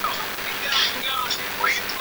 隘寮溪被称为排湾文明的母亲河。